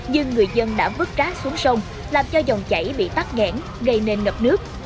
nhưng người dân đã vứt trá xuống sông làm cho dòng chảy bị tắt nghẽn gây nên lập nước